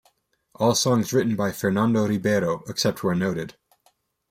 All songs written by Fernando Ribeiro, except where noted.